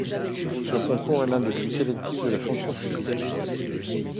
Ce concours est l'un des plus sélectifs de la fonction publique.